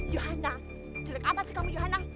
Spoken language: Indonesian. johana jelek amat sih kamu johana